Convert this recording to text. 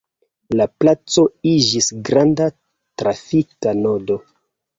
La placo iĝis granda trafika nodo.